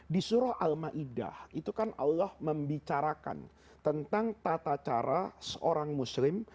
di surah al ma'idah itu kan allah membicarakan tentang tata cara seorang muslim